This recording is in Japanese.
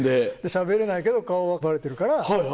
しゃべれないけど顔はバレてるから。